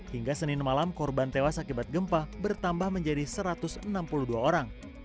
hingga senin malam korban tewas akibat gempa bertambah menjadi satu ratus enam puluh dua orang